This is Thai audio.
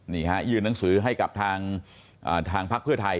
ยื่นหนังสือให้กับทางพักเพื่อไทย